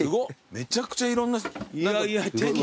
めちゃくちゃいろんな。